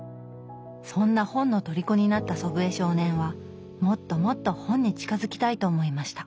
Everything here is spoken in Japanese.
そんな本のとりこになった祖父江少年はもっともっと本に近づきたいと思いました。